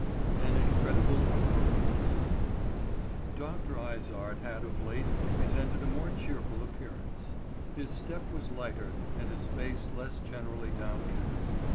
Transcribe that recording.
X. AN INCREDIBLE OCCURRENCE. DR. IZARD had of late presented a more cheerful appearance. His step was lighter and his face less generally downcast.